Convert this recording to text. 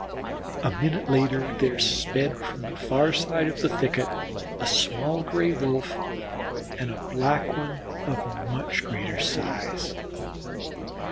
A minute later there sped from the far side of the thicket a small Gray wolf and a Black One of very much greater size.